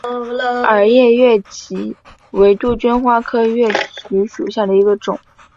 耳叶越桔为杜鹃花科越桔属下的一个种。